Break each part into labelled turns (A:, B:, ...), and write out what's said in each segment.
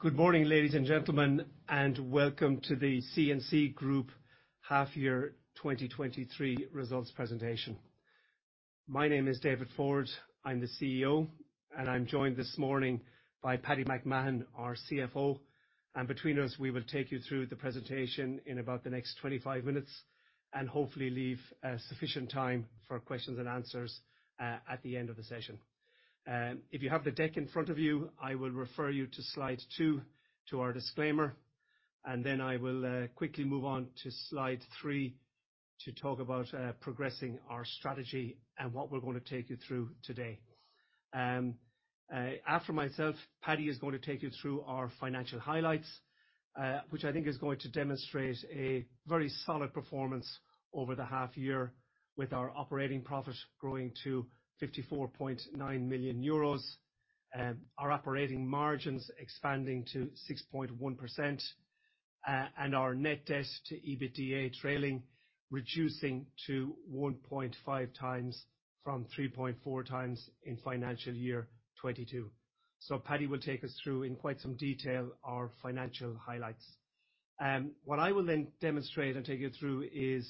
A: Good morning, ladies and gentlemen, and welcome to the C&C Group half year 2023 results presentation. My name is David Forde. I'm the CEO, and I'm joined this morning by Patrick McMahon, our CFO. Between us, we will take you through the presentation in about the next 25 minutes and hopefully leave sufficient time for questions and answers at the end of the session. If you have the deck in front of you, I will refer you to slide two to our disclaimer, and then I will quickly move on to slide three to talk about progressing our strategy and what we're gonna take you through today. After myself, Patrick is going to take you through our financial highlights, which I think is going to demonstrate a very solid performance over the half year with our operating profit growing to 54.9 million euros, our operating margins expanding to 6.1%, and our net debt to EBITDA trailing reducing to 1.5x from 3.4x in financial year 2022. Patrick will take us through in quite some detail our financial highlights. What I will then demonstrate and take you through is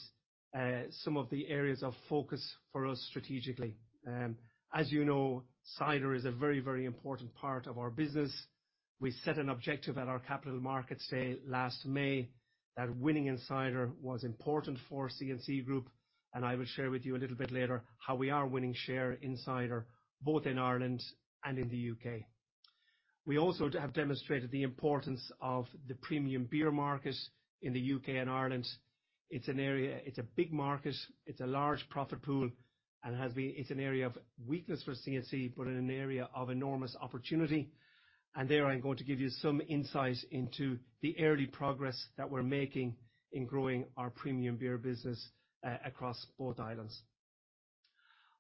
A: some of the areas of focus for us strategically. As you know, cider is a very, very important part of our business. We set an objective at our Capital Markets Day last May that winning in cider was important for C&C Group, and I will share with you a little bit later how we are winning share in cider, both in Ireland and in the U.K. We also have demonstrated the importance of the premium beer market in the U.K. And Ireland. It's a big market, it's a large profit pool, and it has been an area of weakness for C&C, but an area of enormous opportunity. There, I'm going to give you some insight into the early progress that we're making in growing our premium beer business across both islands.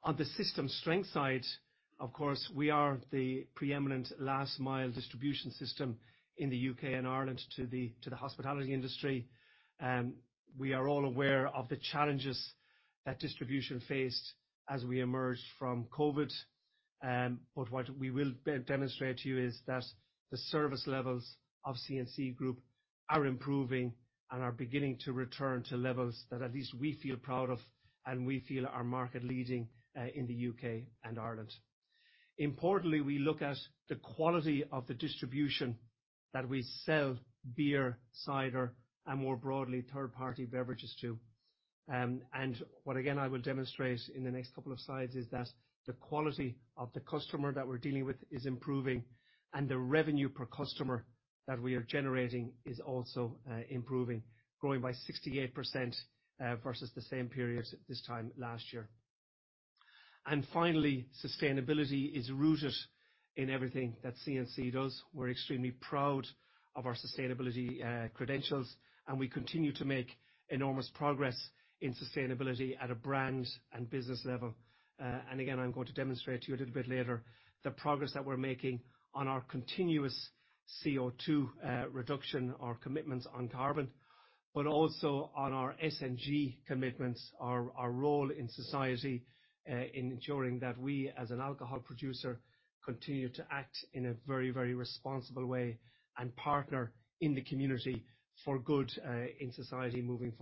A: On the system strength side, of course, we are the preeminent last mile distribution system in the U.K. and Ireland to the hospitality industry. We are all aware of the challenges that distribution faced as we emerged from COVID. What we will demonstrate to you is that the service levels of C&C Group are improving and are beginning to return to levels that at least we feel proud of and we feel are market leading in the U.K. and Ireland. Importantly, we look at the quality of the distribution that we sell beer, cider, and more broadly, third-party beverages too. What again I will demonstrate in the next couple of slides is that the quality of the customer that we're dealing with is improving and the revenue per customer that we are generating is also improving, growing by 68% versus the same period this time last year. Finally, sustainability is rooted in everything that C&C does. We're extremely proud of our sustainability credentials, and we continue to make enormous progress in sustainability at a brand and business level. Again, I'm going to demonstrate to you a little bit later the progress that we're making on our continuous CO2 reduction, our commitments on carbon. Also on our S&G commitments, our role in society, in ensuring that we, as an alcohol producer, continue to act in a very, very responsible way and partner in the community for good, in society moving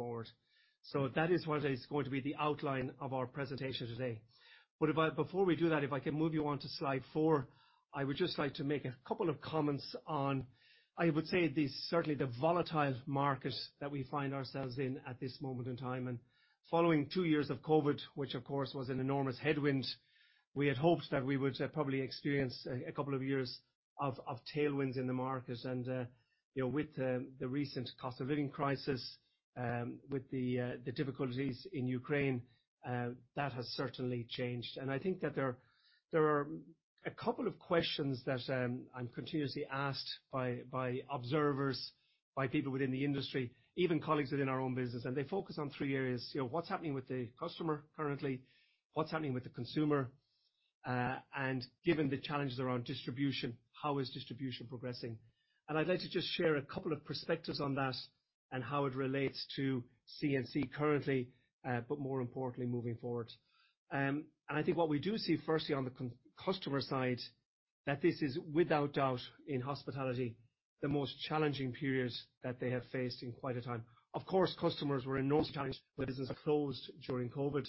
A: forward. That is what is going to be the outline of our presentation today. Before we do that, if I can move you on to slide four, I would just like to make a couple of comments on, I would say, the certainly volatile market that we find ourselves in at this moment in time. Following two years of COVID, which of course was an enormous headwind, we had hoped that we would probably experience a couple of years of tailwinds in the market. You know, with the recent cost of living crisis, with the difficulties in Ukraine, that has certainly changed. I think that there are a couple of questions that I'm continuously asked by observers, by people within the industry, even colleagues within our own business, and they focus on three areas. You know, what's happening with the customer currently? What's happening with the consumer? Given the challenges around distribution, how is distribution progressing? I'd like to just share a couple of perspectives on that and how it relates to C&C currently, but more importantly, moving forward. I think what we do see, firstly, on the customer side, that this is without doubt in hospitality, the most challenging periods that they have faced in quite a time. Of course, customers were enormously challenged when businesses closed during COVID.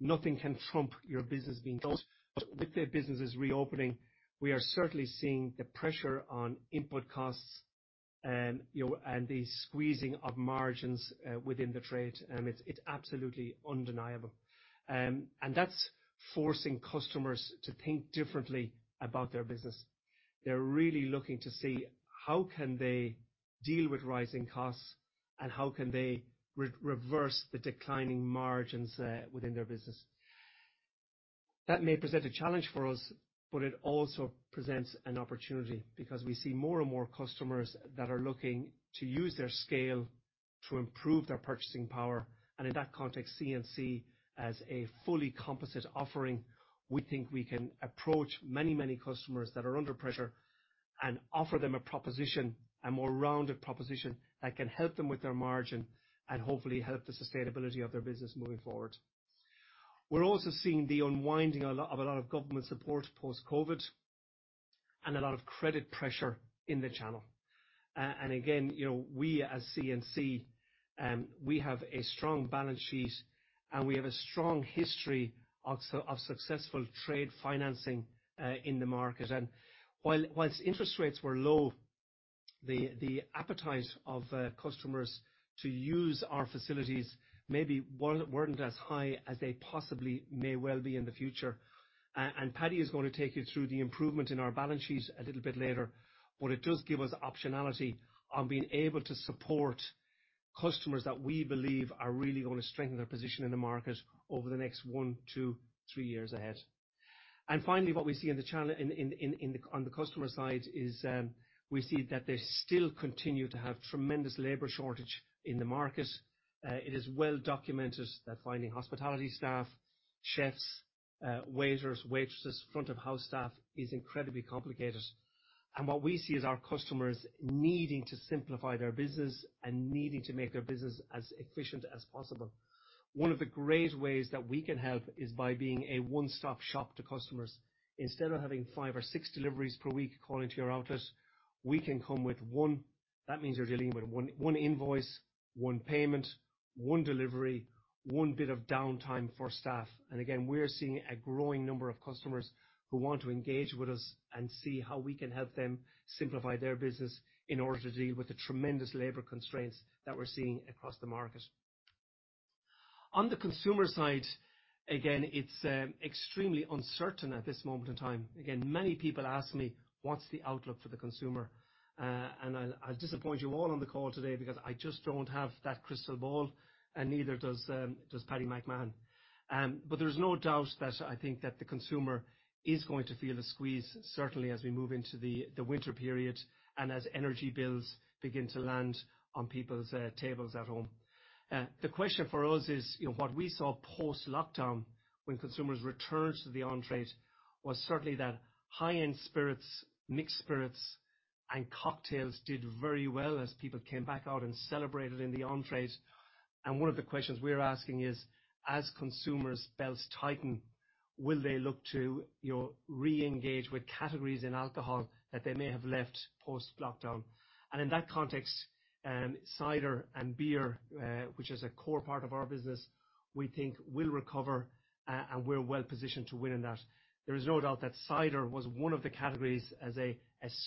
A: Nothing can trump your business being closed. With their businesses reopening, we are certainly seeing the pressure on input costs and, you know, and the squeezing of margins within the trade. It's absolutely undeniable. That's forcing customers to think differently about their business. They're really looking to see how can they deal with rising costs, and how can they reverse the declining margins within their business. That may present a challenge for us, but it also presents an opportunity because we see more and more customers that are looking to use their scale to improve their purchasing power. In that context, C&C as a fully composite offering, we think we can approach many, many customers that are under pressure and offer them a proposition, a more rounded proposition that can help them with their margin and hopefully help the sustainability of their business moving forward. We're also seeing the unwinding of a lot of government support post-COVID, and a lot of credit pressure in the channel. Again, you know, we as C&C, we have a strong balance sheet, and we have a strong history also of successful trade financing in the market. Whilst interest rates were low, the appetite of customers to use our facilities maybe weren't as high as they possibly may well be in the future. Patrick is gonna take you through the improvement in our balance sheet a little bit later. It does give us optionality on being able to support customers that we believe are really gonna strengthen their position in the market over the next 1-3 years ahead. Finally, what we see in the channel in on the customer side is, we see that they still continue to have tremendous labor shortage in the market. It is well documented that finding hospitality staff, chefs, waiters, waitresses, front of house staff is incredibly complicated. What we see is our customers needing to simplify their business and needing to make their business as efficient as possible. One of the great ways that we can help is by being a one-stop shop to customers. Instead of having five or six deliveries per week calling to your outlet, we can come with one. That means you're dealing with one invoice, one payment, one delivery, one bit of downtime for staff. We're seeing a growing number of customers who want to engage with us and see how we can help them simplify their business in order to deal with the tremendous labor constraints that we're seeing across the market. On the consumer side, again, it's extremely uncertain at this moment in time. Again, many people ask me, what's the outlook for the consumer? I'll disappoint you all on the call today because I just don't have that crystal ball, and neither does Patrick McMahon. There's no doubt that I think that the consumer is going to feel the squeeze, certainly as we move into the winter period and as energy bills begin to land on people's tables at home. The question for us is, you know, what we saw post-lockdown when consumers returned to the on-trade was certainly that high-end spirits, mixed spirits and cocktails did very well as people came back out and celebrated in the on-trade. One of the questions we're asking is, as consumers' belts tighten, will they look to, you know, reengage with categories in alcohol that they may have left post-lockdown? In that context, cider and beer, which is a core part of our business, we think will recover, and we're well positioned to win in that. There is no doubt that cider was one of the categories as a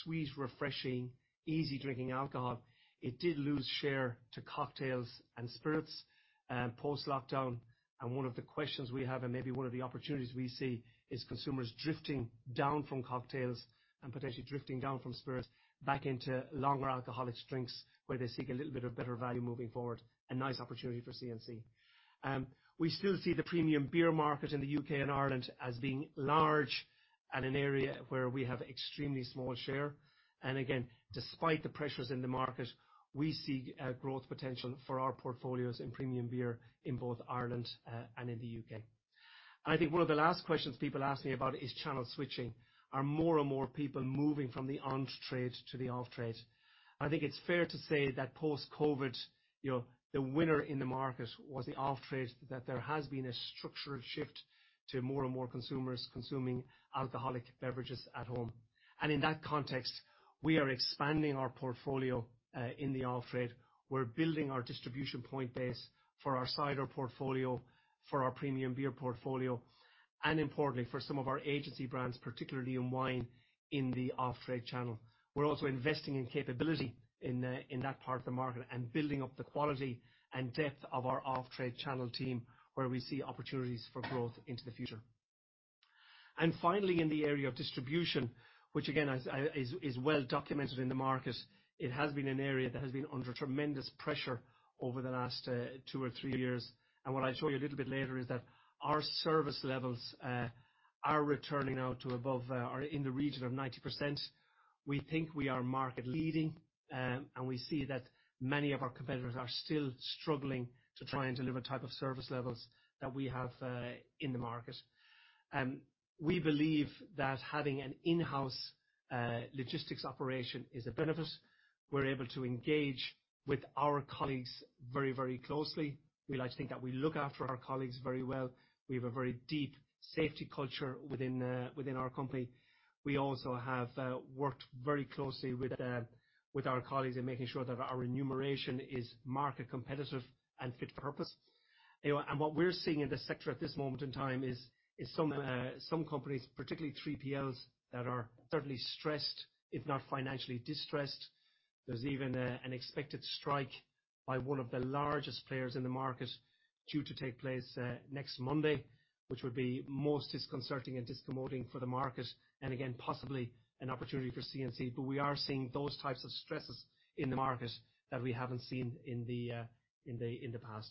A: sweet, refreshing, easy drinking alcohol. It did lose share to cocktails and spirits, post-lockdown. One of the questions we have, and maybe one of the opportunities we see, is consumers drifting down from cocktails and potentially drifting down from spirits back into longer alcoholic drinks, where they seek a little bit of better value moving forward. A nice opportunity for C&C. We still see the premium beer market in the U.K. and Ireland as being large and an area where we have extremely small share. Again, despite the pressures in the market, we see growth potential for our portfolios in premium beer in both Ireland and in the U.K. I think one of the last questions people ask me about is channel switching. Are more and more people moving from the on-trade to the off-trade? I think it's fair to say that post-COVID, you know, the winner in the market was the off-trade, that there has been a structural shift to more and more consumers consuming alcoholic beverages at home. In that context, we are expanding our portfolio in the off-trade. We're building our distribution point base for our cider portfolio, for our premium beer portfolio, and importantly, for some of our agency brands, particularly in wine, in the off-trade channel. We're also investing in capability in that part of the market and building up the quality and depth of our off-trade channel team, where we see opportunities for growth into the future. Finally, in the area of distribution, which again is well documented in the market, it has been an area that has been under tremendous pressure over the last two or three years. What I'll show you a little bit later is that our service levels are returning now to above or in the region of 90%. We think we are market leading, and we see that many of our competitors are still struggling to try and deliver type of service levels that we have in the market. We believe that having an in-house logistics operation is a benefit. We're able to engage with our colleagues very, very closely. We like to think that we look after our colleagues very well. We have a very deep safety culture within our company. We also have worked very closely with our colleagues in making sure that our remuneration is market competitive and fit for purpose. You know, and what we're seeing in this sector at this moment in time is some companies, particularly 3PLs, that are certainly stressed, if not financially distressed. There's even an expected strike by one of the largest players in the market due to take place next Monday, which would be most disconcerting and discommoding for the market, and again, possibly an opportunity for C&C. We are seeing those types of stresses in the market that we haven't seen in the past.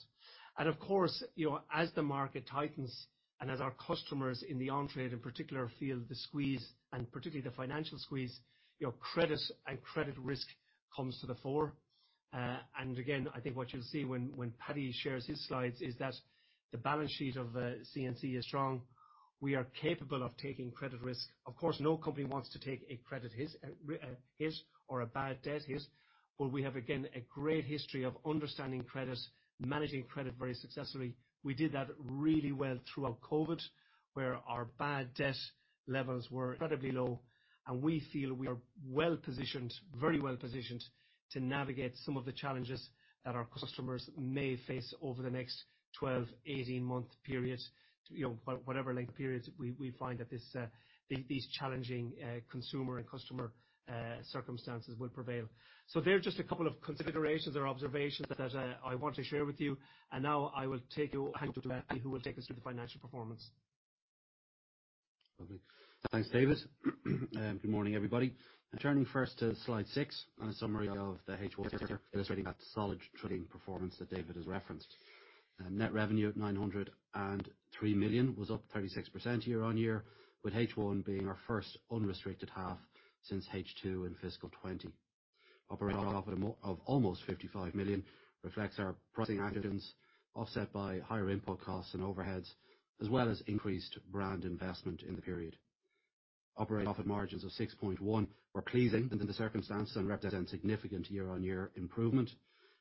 A: Of course, you know, as the market tightens and as our customers in the on-trade in particular feel the squeeze, and particularly the financial squeeze, our credit and credit risk comes to the fore. I think what you'll see when Patrick shares his slides is that the balance sheet of C&C is strong. We are capable of taking credit risk. Of course, no company wants to take a credit hit or a bad debt hit, but we have again, a great history of understanding credit, managing credit very successfully. We did that really well throughout COVID, where our bad debt levels were incredibly low, and we feel we are well-positioned, very well-positioned to navigate some of the challenges that our customers may face over the next 12 months-18 month period. You know, whatever length periods we find that this, these challenging consumer and customer circumstances will prevail. They're just a couple of considerations or observations that I want to share with you, and now I will hand over to Patrick McMahon, who will take us through the financial performance.
B: Okay. Thanks, David. Good morning, everybody. Turning first to slide six on a summary of the H1 trading that solid trading performance that David has referenced. Net revenue at 903 million was up 36% year on year, with H1 being our first unrestricted half since H2 in fiscal 2020. Operating profit of almost 55 million reflects our pricing actions, offset by higher input costs and overheads, as well as increased brand investment in the period. Operating profit margins of 6.1% were pleasing within the circumstances and represent significant year-on-year improvement.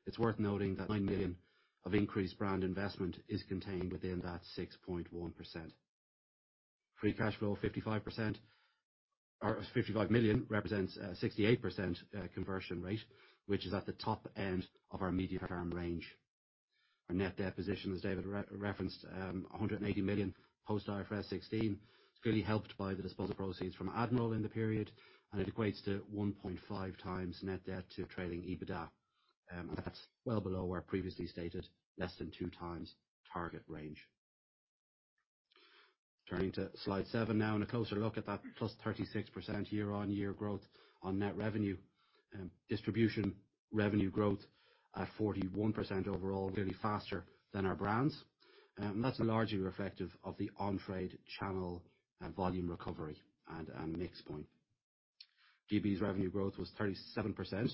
B: It's worth noting that 9 million of increased brand investment is contained within that 6.1%. Free cash flow 55 million represents a 68% conversion rate, which is at the top end of our medium-term range. Our net debt position, as David referenced, 180 million post IFRS 16, is clearly helped by the disposal proceeds from Admiral in the period, and it equates to 1.5x net debt to trailing EBITDA. That's well below our previously stated less than 2x target range. Turning to slide seven now, and a closer look at that 36%+ year-on-year growth on net revenue. Distribution revenue growth at 41% overall, clearly faster than our brands. That's largely reflective of the on-trade channel and volume recovery and mix point. GB's revenue growth was 37%,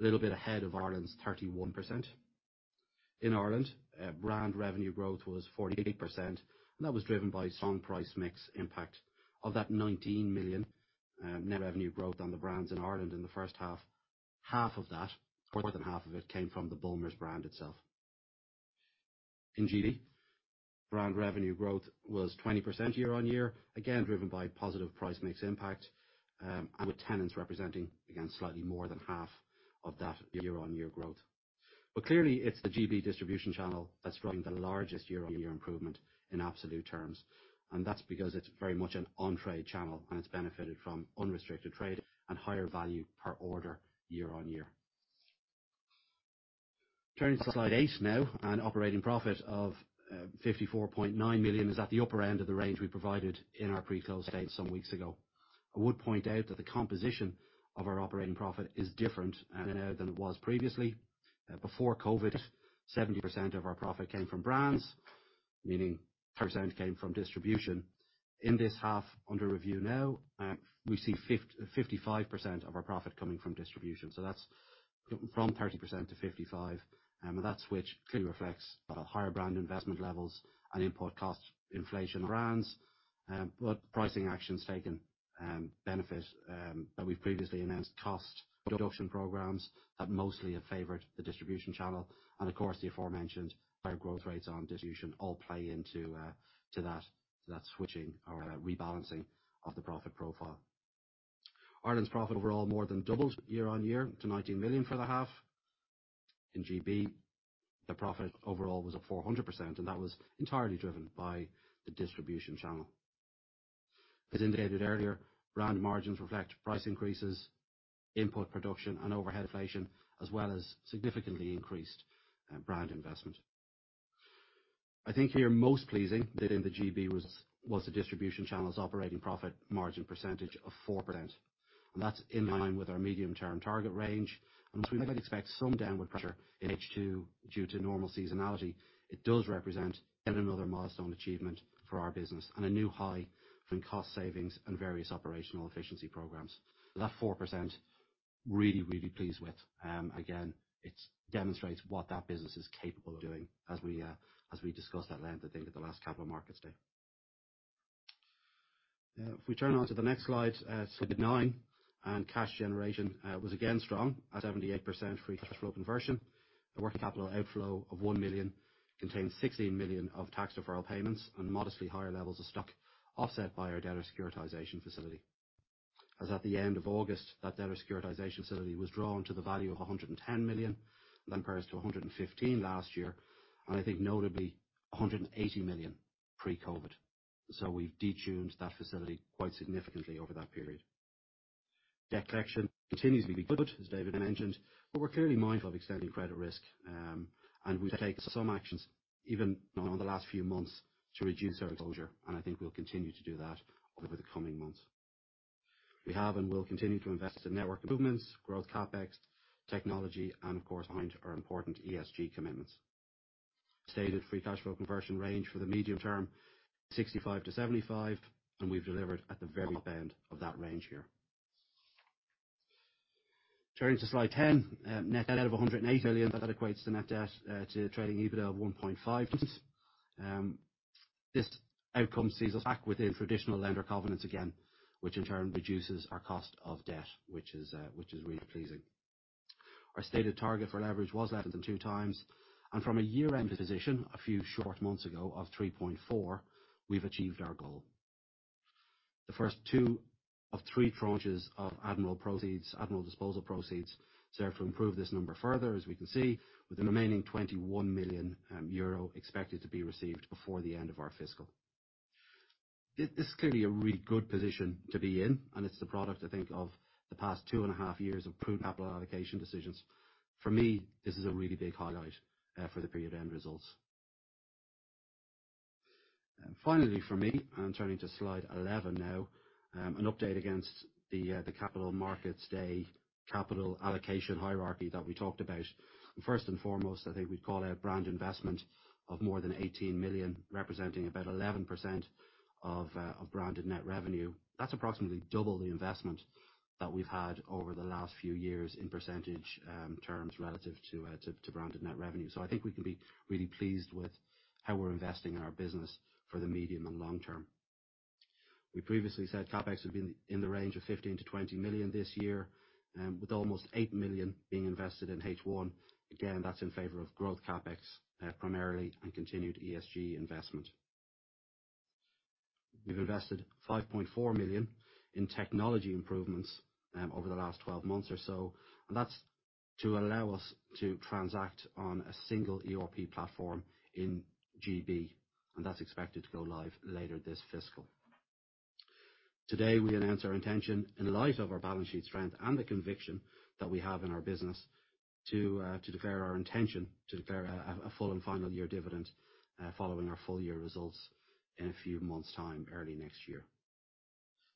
B: a little bit ahead of Ireland's 31%. In Ireland, brand revenue growth was 48%, and that was driven by strong price mix impact. Of that 19 million net revenue growth on the brands in Ireland in the first half of that, more than half of it came from the Bulmers brand itself. In GB, brand revenue growth was 20% year-on-year, again driven by positive price mix impact, and with Tennent's representing again slightly more than half of that year-on-year growth. Clearly it's the GB distribution channel that's driving the largest year-on-year improvement in absolute terms, and that's because it's very much an on-trade channel, and it's benefited from unrestricted trade and higher value per order year-on-year. Turning to slide eight now, an operating profit of 54.9 million is at the upper end of the range we provided in our pre-close date some weeks ago. I would point out that the composition of our operating profit is different than it was previously. Before COVID, 70% of our profit came from brands, meaning 30% came from distribution. In this half under review now, we see 55% of our profit coming from distribution, so that's from 30%-55%, and that switch clearly reflects higher brand investment levels and input cost inflation brands, but pricing actions taken benefit that we've previously announced cost reduction programs that mostly have favored the distribution channel and of course, the aforementioned higher growth rates on distribution all play into that switching or rebalancing of the profit profile. Ireland's profit were all more than doubled year-over-year to 19 million for the half. In GB, the profit overall was at 400%, and that was entirely driven by the distribution channel. As indicated earlier, brand margins reflect price increases, input production and overhead inflation, as well as significantly increased brand investment. I think here most pleasing within the GB was the distribution channel's operating profit margin percentage of 4%. That's in line with our medium-term target range. As we might expect some downward pressure in H2 due to normal seasonality, it does represent yet another milestone achievement for our business and a new high in cost savings and various operational efficiency programs. That 4% really, we're pleased with. Again, it demonstrates what that business is capable of doing as we discussed at length, I think at the last Capital Markets Day. If we turn onto the next slide nine, and cash generation was again strong at 78% free cash flow conversion. A working capital outflow of 1 million contains 16 million of tax deferral payments and modestly higher levels of stock offset by our debt securitization facility. As at the end of August, that debt securitization facility was drawn to the value of 110 million, that compares to 115 million last year, and I think notably 180 million pre-COVID. We've detuned that facility quite significantly over that period. Debt collection continues to be good, as David mentioned, but we're clearly mindful of extending credit risk, and we've taken some actions even in the last few months to reduce our exposure, and I think we'll continue to do that over the coming months. We have and will continue to invest in network improvements, growth CapEx, technology, and of course behind our important ESG commitments. Stated free cash flow conversion range for the medium term 65%-75%, and we've delivered at the very end of that range here. Turning to slide 10, net debt of 180 million, that equates to net debt to trading EBITDA of 1.5. This outcome sees us back within traditional lender covenants again, which in turn reduces our cost of debt, which is really pleasing. Our stated target for leverage was less than 2x, and from a year-end position a few short months ago of 3.4, we've achieved our goal. The first two of three tranches of Admiral proceeds, Admiral disposal proceeds, serve to improve this number further, as we can see, with the remaining 21 million euro expected to be received before the end of our fiscal. This is clearly a really good position to be in, and it's the product, I think, of the past 2.5 years of prudent capital allocation decisions. For me, this is a really big highlight for the period end results. Finally for me, I'm turning to slide 11 now. An update against the Capital Markets Day capital allocation hierarchy that we talked about. First and foremost, I think we'd call out brand investment of more than 18 million, representing about 11% of branded net revenue. That's approximately double the investment that we've had over the last few years in percentage terms relative to branded net revenue. I think we can be really pleased with how we're investing in our business for the medium and long term. We previously said CapEx would be in the range of 15 million-20 million this year, with almost 8 million being invested in H1. Again, that's in favor of growth CapEx, primarily and continued ESG investment. We've invested 5.4 million in technology improvements over the last 12 months or so, and that's to allow us to transact on a single ERP platform in GB, and that's expected to go live later this fiscal. Today, we announce our intention in light of our balance sheet strength and the conviction that we have in our business to declare a full and final year dividend following our full year results in a few months' time, early next year.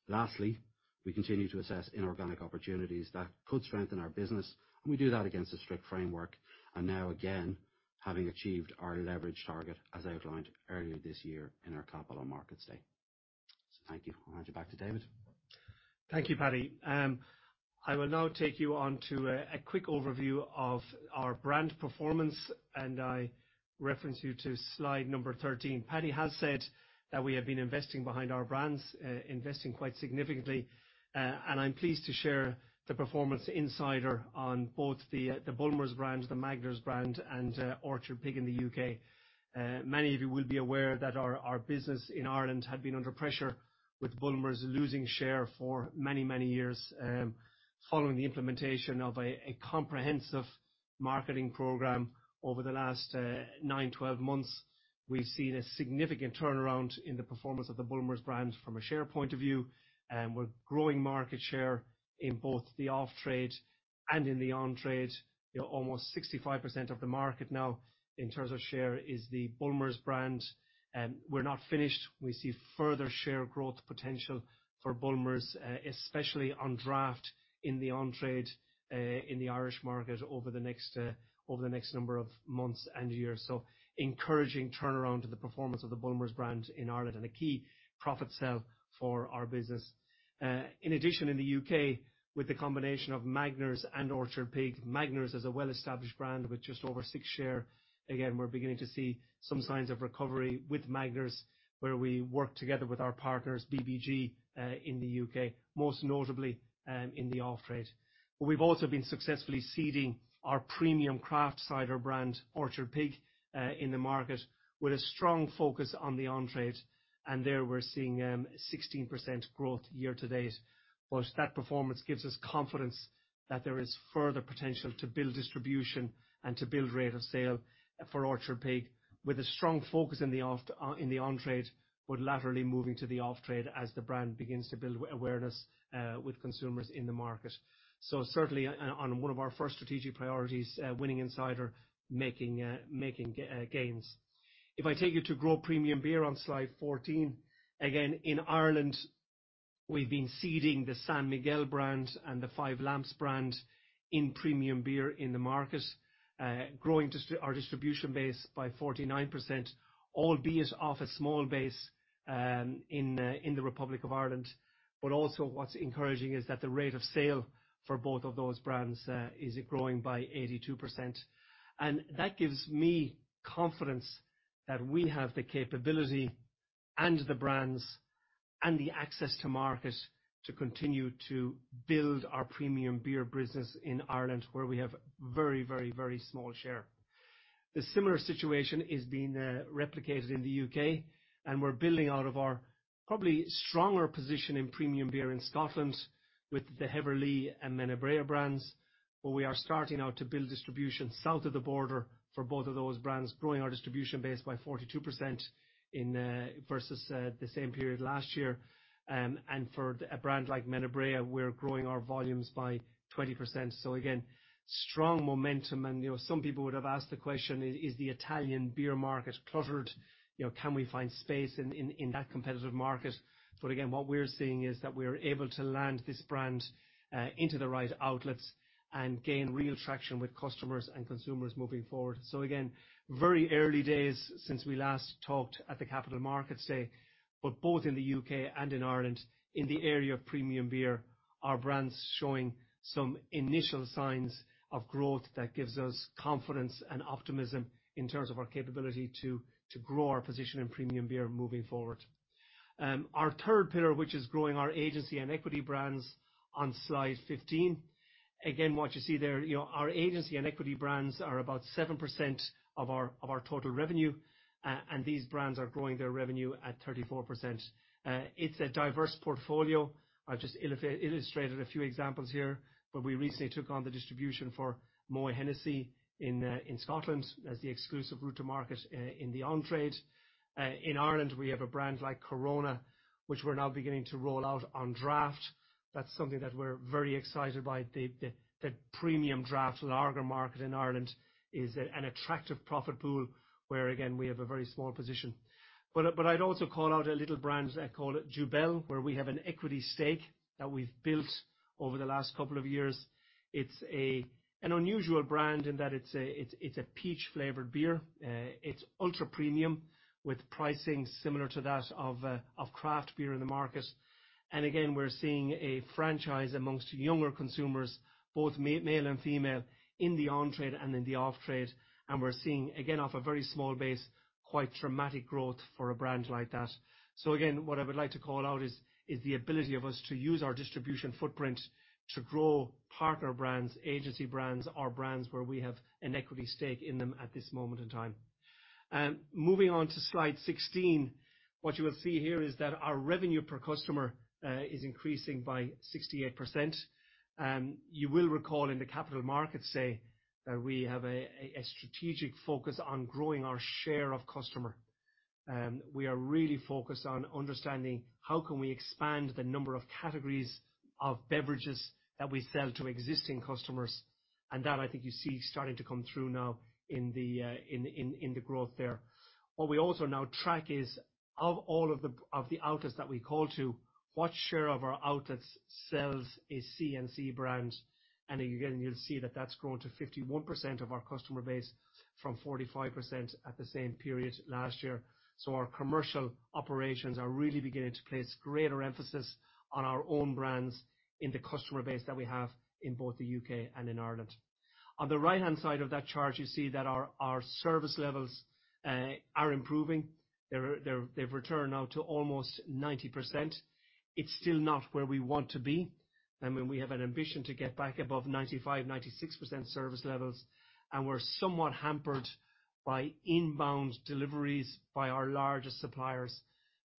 B: Lastly, we continue to assess inorganic opportunities that could strengthen our business, and we do that against a strict framework. Now again, having achieved our leverage target as outlined earlier this year in our Capital Markets Day. Thank you. I'll hand you back to David.
A: Thank you, Patrick. I will now take you onto a quick overview of our brand performance, and I reference you to slide number 13. Patrick has said that we have been investing behind our brands, investing quite significantly. I'm pleased to share the performance insights on both the Bulmers brand, the Magners brand, and Orchard Pig in the U.K.. Many of you will be aware that our business in Ireland had been under pressure with Bulmers losing share for many years. Following the implementation of a comprehensive marketing program over the last 9-12 months, we've seen a significant turnaround in the performance of the Bulmers brand from a share point of view. We're growing market share in both the off-trade and in the on-trade. You know, almost 65% of the market now in terms of share is the Bulmers brand. We're not finished. We see further share growth potential for Bulmers, especially on draft in the on-trade, in the Irish market over the next number of months and years. Encouraging turnaround to the performance of the Bulmers brand in Ireland and a key profit center for our business. In addition, in the U.K., with the combination of Magners and Orchard Pig. Magners is a well-established brand with just over 6% share. Again, we're beginning to see some signs of recovery with Magners, where we work together with our partners, BBG, in the U.K., most notably, in the off-trade. We've also been successfully seeding our premium craft cider brand, Orchard Pig, in the market with a strong focus on the on-trade, and there we're seeing 16% growth year to date. That performance gives us confidence that there is further potential to build distribution and to build rate of sale for Orchard Pig with a strong focus in the on-trade, but laterally moving to the off-trade as the brand begins to build awareness with consumers in the market. Certainly on one of our first strategic priorities, winning in cider, making gains. If I take you to grow premium beer on slide 14. Again, in Ireland, we've been seeding the San Miguel brand and the Five Lamps brand in premium beer in the market. Our distribution base by 49%, albeit off a small base, in the Republic of Ireland. Also what's encouraging is that the rate of sale for both of those brands is growing by 82%. That gives me confidence that we have the capability and the brands and the access to market to continue to build our premium beer business in Ireland, where we have very small share. The similar situation is being replicated in the U.K., and we're building out of our probably stronger position in premium beer in Scotland with the Heather Ale and Menabrea brands. We are starting now to build distribution south of the border for both of those brands, growing our distribution base by 42% versus the same period last year. For a brand like Menabrea, we're growing our volumes by 20%. Again, strong momentum and, you know, some people would have asked the question, is the Italian beer market cluttered? You know, can we find space in that competitive market? Again, what we're seeing is that we're able to land this brand into the right outlets and gain real traction with customers and consumers moving forward. Again, very early days since we last talked at the Capital Markets Day, but both in the U.K. and in Ireland, in the area of premium beer, our brands showing some initial signs of growth that gives us confidence and optimism in terms of our capability to grow our position in premium beer moving forward. Our third pillar, which is growing our agency and equity brands on slide 15. Again, what you see there, you know, our agency and equity brands are about 7% of our total revenue. These brands are growing their revenue at 34%. It's a diverse portfolio. I've just illustrated a few examples here, but we recently took on the distribution for Moët Hennessy in Scotland as the exclusive route to market in the on-trade. In Ireland, we have a brand like Corona, which we're now beginning to roll out on draft. That's something that we're very excited by. The premium draft lager market in Ireland is an attractive profit pool where again, we have a very small position. But I'd also call out a little brand called Jubel, where we have an equity stake that we've built over the last couple of years. It's an unusual brand in that it's a peach-flavored beer. It's ultra premium with pricing similar to that of craft beer in the market. Again, we're seeing a franchise amongst younger consumers, both male and female, in the on-trade and in the off-trade. We're seeing, again, off a very small base, quite dramatic growth for a brand like that. Again, what I would like to call out is the ability of us to use our distribution footprint to grow partner brands, agency brands or brands where we have an equity stake in them at this moment in time. Moving on to slide 16. What you will see here is that our revenue per customer is increasing by 68%. You will recall in the Capital Markets Day that we have a strategic focus on growing our share of customer. We are really focused on understanding how can we expand the number of categories of beverages that we sell to existing customers. That I think you see starting to come through now in the growth there. What we also now track is of all of the outlets that we call to, what share of our outlets sells a C&C brand. Again, you'll see that that's grown to 51% of our customer base from 45% at the same period last year. Our commercial operations are really beginning to place greater emphasis on our own brands in the customer base that we have in both the U.K. and in Ireland. On the right-hand side of that chart, you see that our service levels are improving. They've returned now to almost 90%. It's still not where we want to be. We have an ambition to get back above 95%-96% service levels, and we're somewhat hampered by inbound deliveries by our largest suppliers.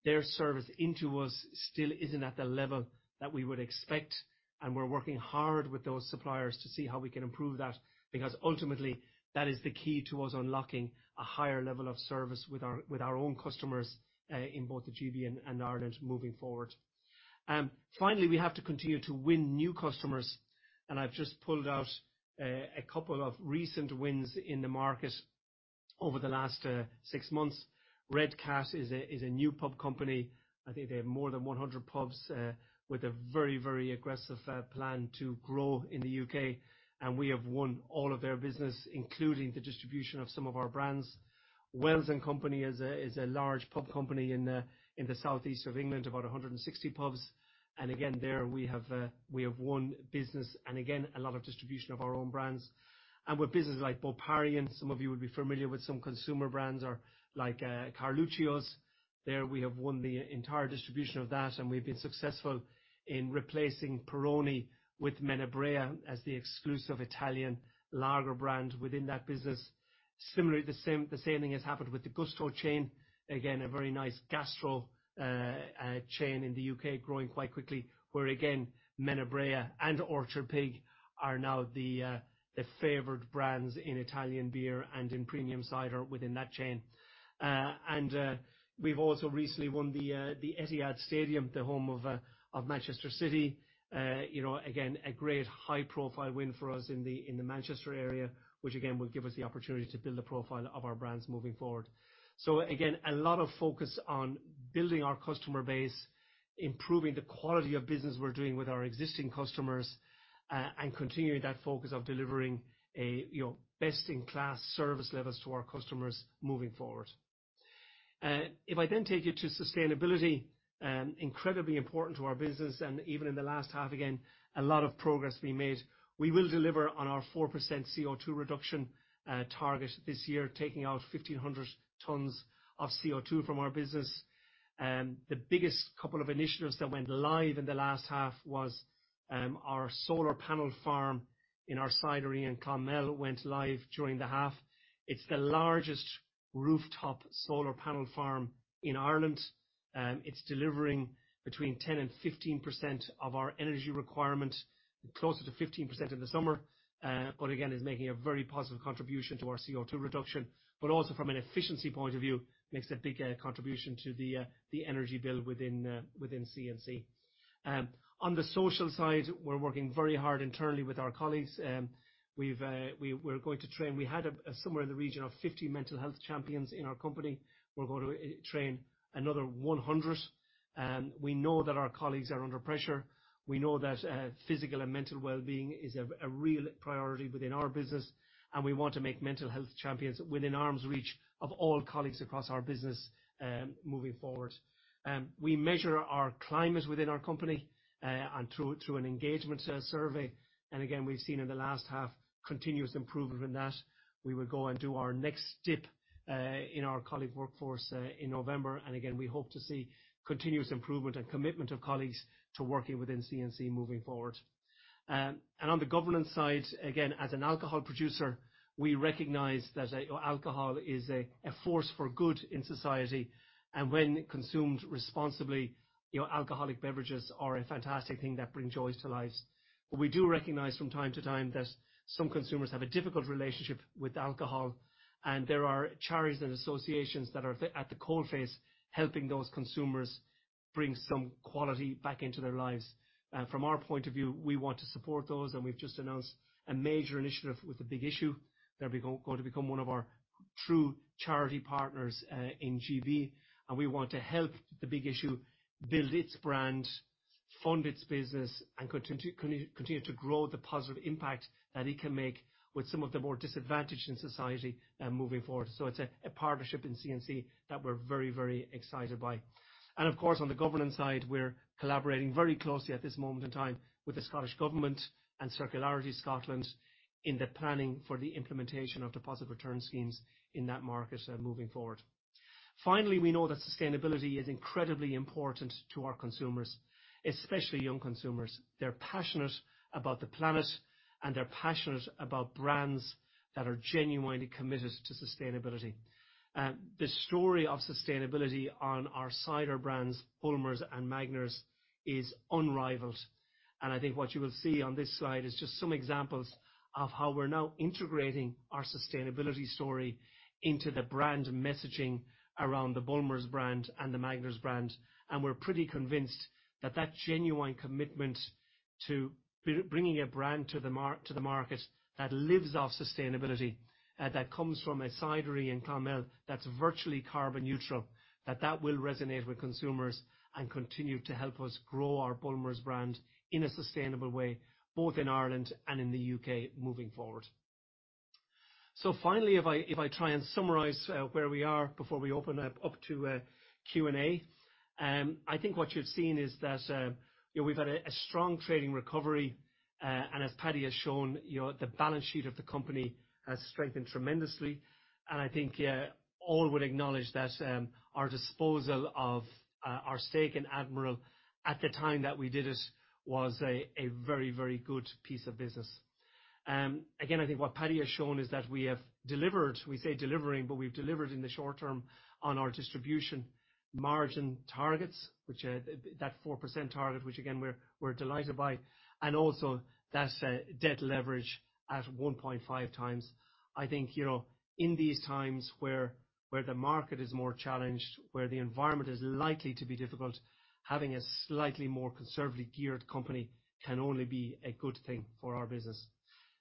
A: Their service into us still isn't at the level that we would expect, and we're working hard with those suppliers to see how we can improve that, because ultimately, that is the key towards unlocking a higher level of service with our own customers in both the GB and Ireland moving forward. Finally, we have to continue to win new customers, and I've just pulled out a couple of recent wins in the market over the last six months. RedCat is a new pub company. I think they have more than 100 pubs with a very aggressive plan to grow in the U.K. We have won all of their business, including the distribution of some of our brands. Wells & Co is a large pub company in the southeast of England, about 160 pubs. Again, we have won business and a lot of distribution of our own brands. With businesses like Boparan, some of you would be familiar with some consumer brands or like Carluccio's. There we have won the entire distribution of that, and we've been successful in replacing Peroni with Menabrea as the exclusive Italian lager brand within that business. Similarly, the same thing has happened with the Gusto chain. Again, a very nice Gusto chain in the U.K. growing quite quickly, where again, Menabrea and Orchard Pig are now the favored brands in Italian beer and in premium cider within that chain. We've also recently won the Etihad Stadium, the home of Manchester City. You know, again, a great high-profile win for us in the Manchester area, which again, will give us the opportunity to build the profile of our brands moving forward. Again, a lot of focus on building our customer base, improving the quality of business we're doing with our existing customers, and continuing that focus of delivering a, you know, best-in-class service levels to our customers moving forward. If I then take you to sustainability, incredibly important to our business and even in the last half again, a lot of progress we made. We will deliver on our 4% CO2 reduction target this year, taking out 1,500 tons of CO2 from our business. The biggest couple of initiatives that went live in the last half was our solar panel farm in our cidery in Clonmel went live during the half. It's the largest rooftop solar panel farm in Ireland. It's delivering between 10% and 15% of our energy requirement, closer to 15% in the summer. Again, is making a very positive contribution to our CO2 reduction, but also from an efficiency point of view, makes a big contribution to the energy bill within C&C. On the social side, we're working very hard internally with our colleagues. We're going to train. We had somewhere in the region of 50 mental health champions in our company. We're going to train another 100. We know that our colleagues are under pressure. We know that physical and mental well-being is a real priority within our business, and we want to make mental health champions within arm's reach of all colleagues across our business, moving forward. We measure our climate within our company and through an engagement survey. We've seen in the last half continuous improvement in that. We will go and do our next dip in our colleague workforce in November. We hope to see continuous improvement and commitment of colleagues to working within C&C moving forward. On the governance side, again, as an alcohol producer, we recognize that alcohol is a force for good in society. When consumed responsibly, you know, alcoholic beverages are a fantastic thing that bring joys to lives. We do recognize from time to time that some consumers have a difficult relationship with alcohol, and there are charities and associations that are at the coal face, helping those consumers bring some quality back into their lives. From our point of view, we want to support those, and we've just announced a major initiative with The Big Issue that we're going to become one of our true charity partners, in GB. We want to help The Big Issue build its brand, fund its business, and continue to grow the positive impact that it can make with some of the more disadvantaged in society, moving forward. It's a partnership in C&C that we're very, very excited by. Of course, on the governance side, we're collaborating very closely at this moment in time with the Scottish Government and Circularity Scotland in the planning for the implementation of deposit return schemes in that market, moving forward. Finally, we know that sustainability is incredibly important to our consumers, especially young consumers. They're passionate about the planet, and they're passionate about brands that are genuinely committed to sustainability. The story of sustainability on our cider brands, Bulmers and Magners, is unrivaled. I think what you will see on this slide is just some examples of how we're now integrating our sustainability story into the brand messaging around the Bulmers brand and the Magners brand. We're pretty convinced that genuine commitment to bringing a brand to the market that lives off sustainability, that comes from a cidery in Clonmel that's virtually carbon neutral, that will resonate with consumers and continue to help us grow our Bulmers brand in a sustainable way, both in Ireland and in the U.K. moving forward. Finally, if I try and summarize where we are before we open up to Q&A. I think what you've seen is that, you know, we've had a strong trading recovery. As Patrick has shown, you know, the balance sheet of the company has strengthened tremendously. I think all would acknowledge that our disposal of our stake in Admiral at the time that we did it was a very, very good piece of business. Again, I think what Patrick has shown is that we've delivered in the short term on our distribution margin targets, which that 4% target, which again, we're delighted by, and also that debt leverage at 1.5x. I think, you know, in these times where the market is more challenged, where the environment is likely to be difficult, having a slightly more conservatively geared company can only be a good thing for our business.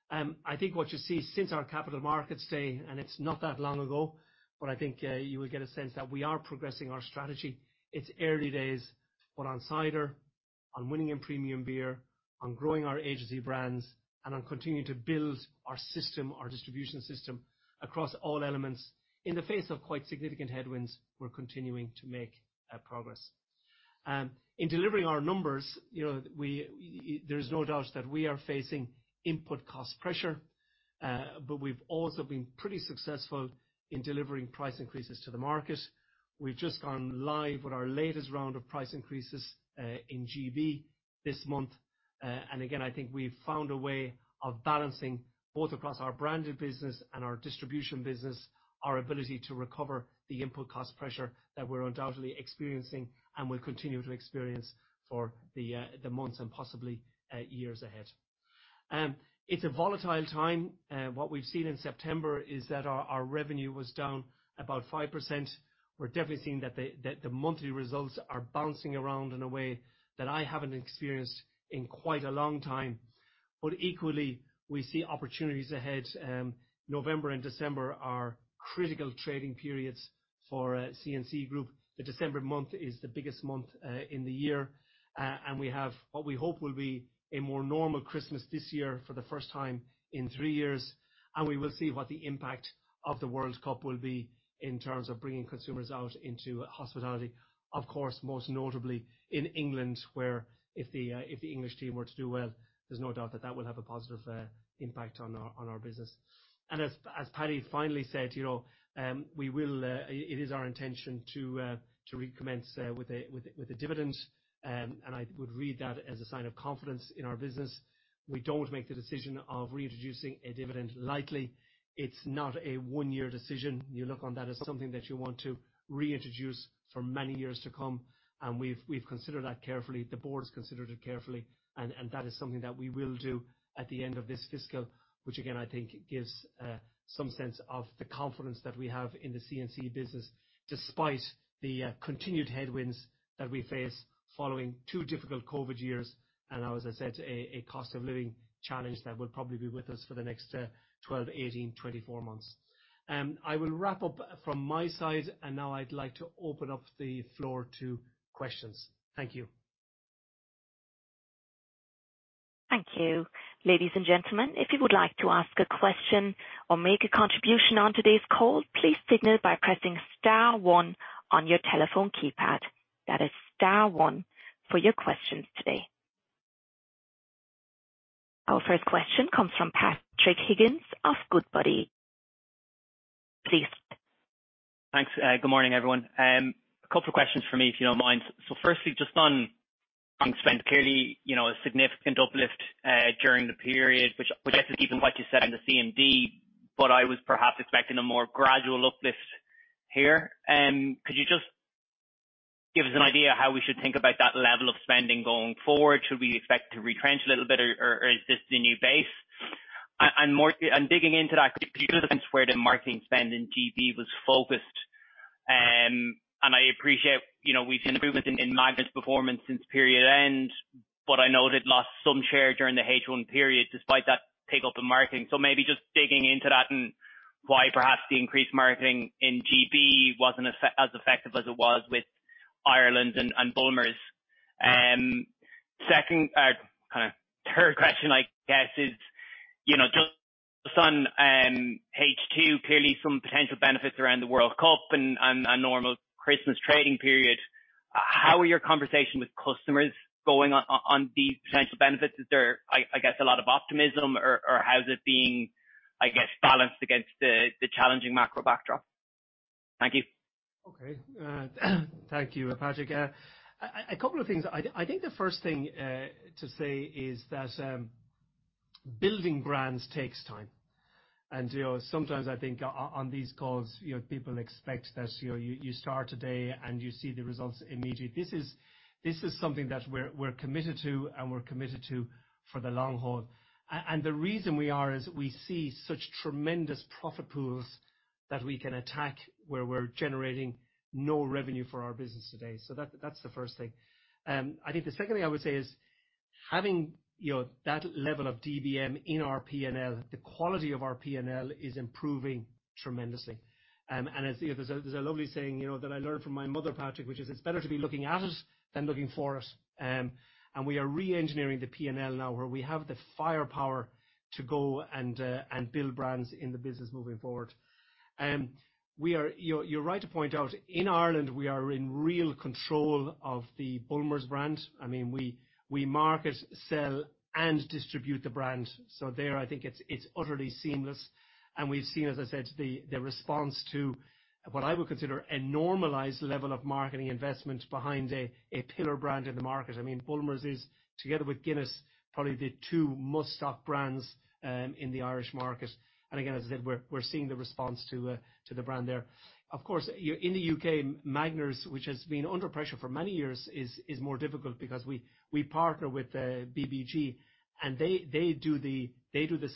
A: I think what you see since our capital markets day, and it's not that long ago, but I think you will get a sense that we are progressing our strategy. It's early days, but on cider, on winning in premium beer, on growing our agency brands, and on continuing to build our system, our distribution system, across all elements. In the face of quite significant headwinds, we're continuing to make progress. In delivering our numbers, you know, we, there's no doubt that we are facing input cost pressure, but we've also been pretty successful in delivering price increases to the market. We've just gone live with our latest round of price increases in GB this month. Again, I think we've found a way of balancing both across our branded business and our distribution business, our ability to recover the input cost pressure that we're undoubtedly experiencing and will continue to experience for the months and possibly years ahead. It's a volatile time. What we've seen in September is that our revenue was down about 5%. We're definitely seeing that the monthly results are bouncing around in a way that I haven't experienced in quite a long time. Equally, we see opportunities ahead. November and December are critical trading periods for C&C Group. The December month is the biggest month in the year. We have what we hope will be a more normal Christmas this year for the first time in three years, and we will see what the impact of the World Cup will be in terms of bringing consumers out into hospitality. Of course, most notably in England, where if the English team were to do well, there's no doubt that that will have a positive impact on our business. As Patrick finally said, you know, it is our intention to recommence with the dividend, and I would read that as a sign of confidence in our business. We don't make the decision of reintroducing a dividend lightly. It's not a one-year decision. You look on that as something that you want to reintroduce for many years to come, and we've considered that carefully. The board's considered it carefully, and that is something that we will do at the end of this fiscal, which again, I think gives some sense of the confidence that we have in the C&C business, despite the continued headwinds that we face following two difficult COVID years and as I said, a cost of living challenge that will probably be with us for the next 12 to 18, 24 months. I will wrap up from my side, and now I'd like to open up the floor to questions. Thank you.
C: Thank you. Ladies and gentlemen, if you would like to ask a question or make a contribution on today's call, please signal by pressing star one on your telephone keypad. That is star one for your questions today. Our first question comes from Patrick Higgins of Goodbody. Please.
D: Thanks. Good morning, everyone. A couple of questions from me, if you don't mind. Firstly, just on spend. Clearly, you know, a significant uplift during the period which I guess is even what you said in the CMD, but I was perhaps expecting a more gradual uplift here. Could you just give us an idea how we should think about that level of spending going forward? Should we expect to retrench a little bit or is this the new base? And digging into that, can you give us a sense where the marketing spend in GB was focused? And I appreciate, you know, we've seen improvements in Magners performance since period end, but I know they'd lost some share during the H1 period despite that take up in marketing. Maybe just digging into that and why perhaps the increased marketing in GB wasn't as effective as it was with Ireland and Bulmers. Second, kind of third question I guess is, you know, just on H2, clearly some potential benefits around the World Cup and a normal Christmas trading period. How are your conversations with customers going on these potential benefits? Is there, I guess, a lot of optimism or how's it being, I guess, balanced against the challenging macro backdrop? Thank you.
A: Okay. Thank you, Patrick. A couple of things. I think the first thing to say is that building brands takes time. You know, sometimes I think on these calls, you know, people expect that, you know, you start today and you see the results immediately. This is something that we're committed to and we're committed to for the long haul. The reason we are is we see such tremendous profit pools that we can attack where we're generating no revenue for our business today. That's the first thing. I think the second thing I would say is having, you know, that level of DBM in our P&L, the quality of our P&L is improving tremendously. As you know, there's a lovely saying, you know, that I learned from my mother, Patrick, which is, "It's better to be looking at it than looking for it." We are re-engineering the P&L now, where we have the firepower to go and build brands in the business moving forward. You're right to point out in Ireland we are in real control of the Bulmers brand. I mean, we market, sell, and distribute the brand. There, I think it's utterly seamless. We've seen, as I said, the response to what I would consider a normalized level of marketing investment behind a pillar brand in the market. I mean, Bulmers is, together with Guinness, probably the two must-stock brands in the Irish market. Again, as I said, we're seeing the response to the brand there. Of course, in the U.K., Magners, which has been under pressure for many years, is more difficult because we partner with BBG, and they do the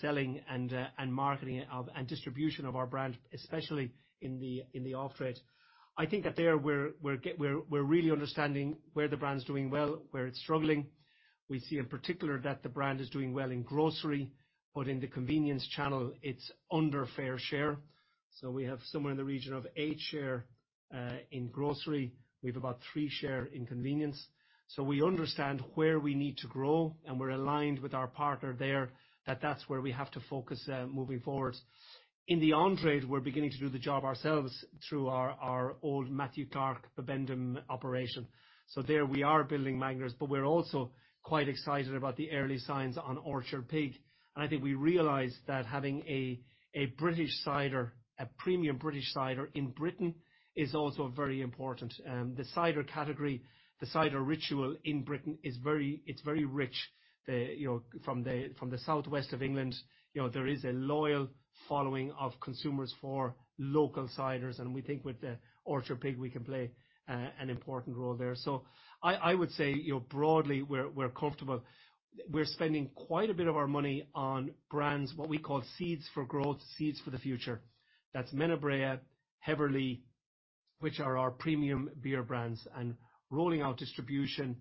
A: selling and marketing and distribution of our brand, especially in the off-trade. I think that there we're really understanding where the brand's doing well, where it's struggling. We see in particular that the brand is doing well in grocery, but in the convenience channel it's under fair share. We have somewhere in the region of 8% share in grocery. We've about 3% share in convenience. We understand where we need to grow, and we're aligned with our partner there that that's where we have to focus, moving forward. In the on-trade, we're beginning to do the job ourselves through our old Matthew Clark and Bibendum operation. There we are building Magners, but we're also quite excited about the early signs on Orchard Pig. I think we realize that having a British cider, a premium British cider in Britain is also very important. The cider category, the cider ritual in Britain is very rich. You know, from the southwest of England, you know, there is a loyal following of consumers for local ciders, and we think with the Orchard Pig we can play an important role there. I would say, you know, broadly we're comfortable. We're spending quite a bit of our money on brands, what we call seeds for growth, seeds for the future. That's Menabrea, Heather Ale- Which are our premium beer brands. Rolling out distribution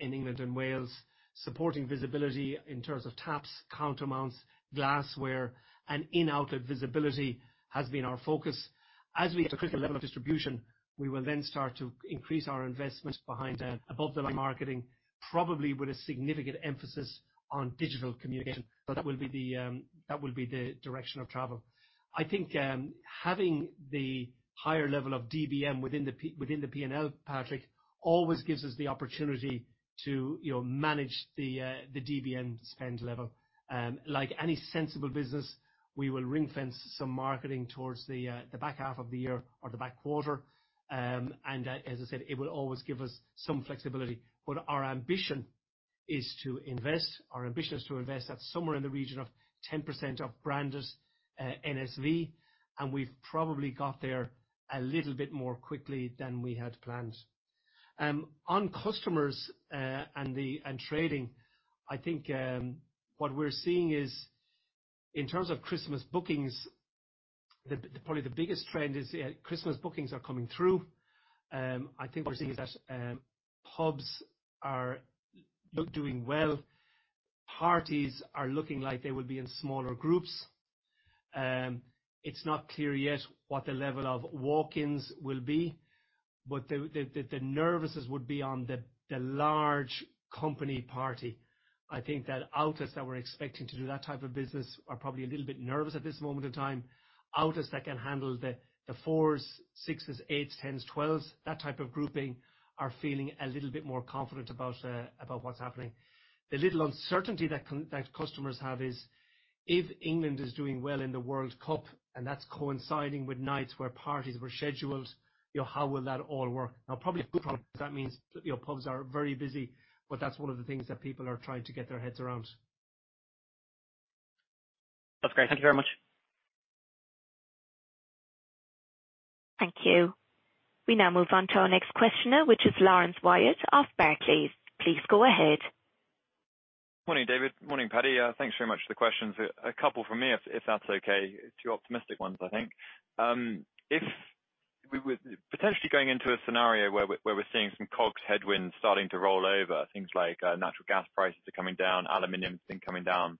A: in England and Wales, supporting visibility in terms of taps, count amounts, glassware, and in-outlet visibility has been our focus. As we reach a critical level of distribution, we will then start to increase our investment behind above-the-line marketing, probably with a significant emphasis on digital communication. That will be the direction of travel. I think having the higher level of A&P within the P&L, Patrick, always gives us the opportunity to, you know, manage the A&P spend level. Like any sensible business, we will ring-fence some marketing towards the back half of the year or the back quarter. As I said, it will always give us some flexibility. Our ambition is to invest. Our ambition is to invest at somewhere in the region of 10% of branded NSV, and we've probably got there a little bit more quickly than we had planned. On customers and trading, I think what we're seeing is in terms of Christmas bookings, probably the biggest trend is Christmas bookings are coming through. I think we're seeing that pubs are doing well. Parties are looking like they will be in smaller groups. It's not clear yet what the level of walk-ins will be, but the nervousness would be on the large company party. I think that outlets that were expecting to do that type of business are probably a little bit nervous at this moment in time. Outlets that can handle the 4s, 6s, 8s, 10s, 12s, that type of grouping are feeling a little bit more confident about what's happening. The little uncertainty that customers have is if England is doing well in the World Cup, and that's coinciding with nights where parties were scheduled, you know, how will that all work? Now, probably a good problem, because that means, you know, pubs are very busy, but that's one of the things that people are trying to get their heads around.
D: That's great. Thank you very much.
C: Thank you. We now move on to our next questioner, which is Laurence Whyatt of Barclays. Please go ahead.
E: Morning, David. Morning, Patrick. Thanks very much for the questions. A couple from me, if that's okay. Two optimistic ones, I think. If we're potentially going into a scenario where we're seeing some COGS headwinds starting to roll over, things like natural gas prices are coming down, aluminum's been coming down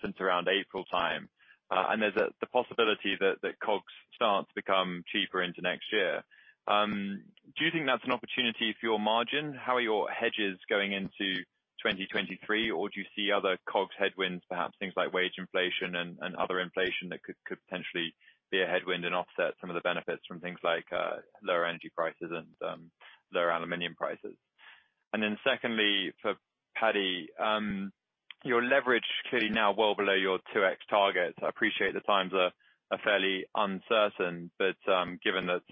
E: since around April time. There's the possibility that COGS starts to become cheaper into next year. Do you think that's an opportunity for your margin? How are your hedges going into 2023? Or do you see other COGS headwinds, perhaps things like wage inflation and other inflation that could potentially be a headwind and offset some of the benefits from things like lower energy prices and lower aluminum prices? Secondly, for Patrick, your leverage clearly now well below your 2x target. I appreciate the times are fairly uncertain, but given that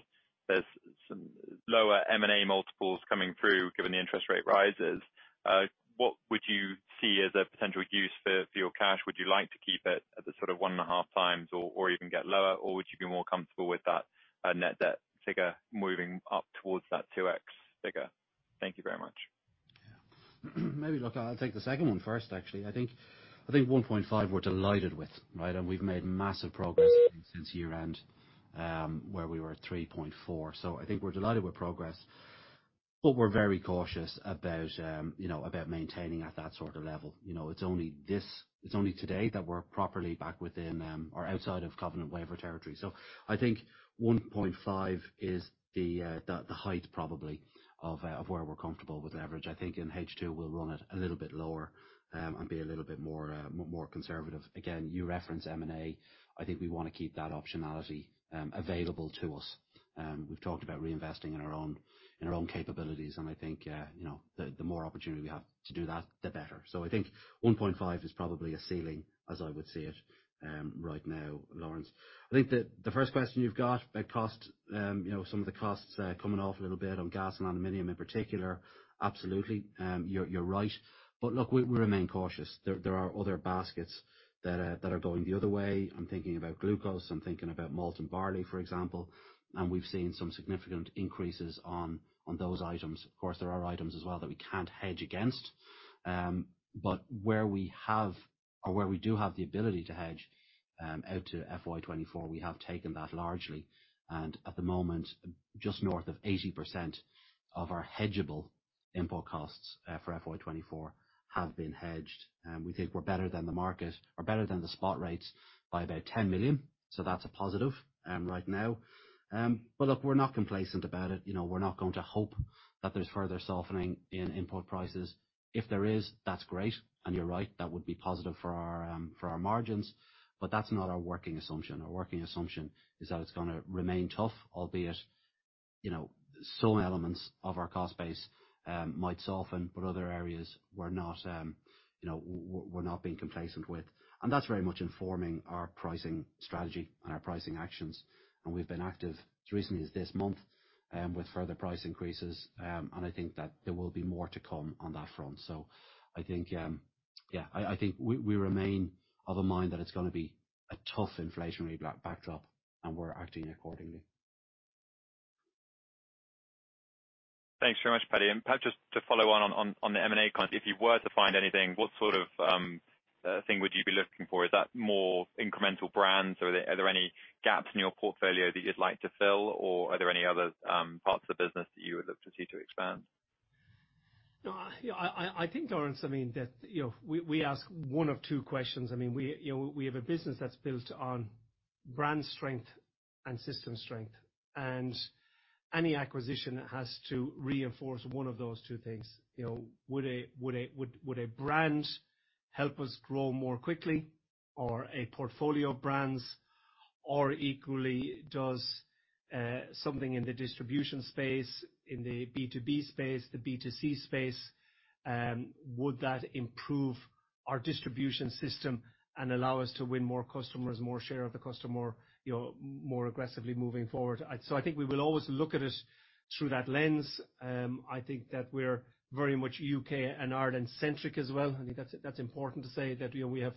E: there's some lower M&A multiples coming through, given the interest rate rises, what would you see as a potential use for your cash? Would you like to keep it at the sort of 1.5x or even get lower? Or would you be more comfortable with that net debt figure moving up towards that 2x figure? Thank you very much.
B: Yeah. Maybe I'll take the second one first, actually. I think one point five we're delighted with, right? We've made massive progress since year-end, where we were at three point four. I think we're delighted with progress, but we're very cautious about, you know, about maintaining at that sort of level. You know, it's only today that we're properly back within, or outside of covenant waiver territory. I think one point five is the height probably of where we're comfortable with leverage. I think in H2 we'll run it a little bit lower, and be a little more conservative. Again, you referenced M&A. I think we wanna keep that optionality, available to us. We've talked about reinvesting in our own capabilities, and I think, you know, the more opportunity we have to do that, the better. I think 1.5 is probably a ceiling as I would see it, right now, Laurence. I think the first question you've got, big cost, you know, some of the costs coming off a little bit on gas and aluminum in particular, absolutely. You're right. Look, we remain cautious. There are other baskets that are going the other way. I'm thinking about glucose, I'm thinking about malt and barley, for example, and we've seen some significant increases on those items. Of course, there are items as well that we can't hedge against. Where we have or where we do have the ability to hedge out to FY 2024, we have taken that largely. At the moment, just north of 80% of our hedgeable import costs for FY 2024 have been hedged. We think we're better than the market or better than the spot rates by about 10 million, so that's a positive right now. Look, we're not complacent about it. You know, we're not going to hope that there's further softening in import prices. If there is, that's great, and you're right, that would be positive for our margins, but that's not our working assumption. Our working assumption is that it's gonna remain tough, albeit, you know, some elements of our cost base might soften, but other areas we're not, you know, we're not being complacent with. That's very much informing our pricing strategy and our pricing actions. We've been active as recently as this month with further price increases. I think that there will be more to come on that front. I think we remain of a mind that it's gonna be a tough inflationary back-backdrop, and we're acting accordingly.
E: Thanks very much, Patrick. Perhaps just to follow on the M&A cons, if you were to find anything, what sort of thing would you be looking for? Is that more incremental brands or are there any gaps in your portfolio that you'd like to fill? Or are there any other parts of the business that you would look to see to expand?
A: No, I think, Laurence, I mean, you know, we ask one of two questions. I mean, you know, we have a business that's built on brand strength and system strength, and any acquisition has to reinforce one of those two things. You know, would a brand help us grow more quickly or a portfolio of brands, or equally, does something in the distribution space, in the B2B space, the B2C space, would that improve our distribution system and allow us to win more customers, more share of the customer, you know, more aggressively moving forward? So I think we will always look at it through that lens. I think that we're very much U.K. and Ireland-centric as well. I think that's important to say that, you know,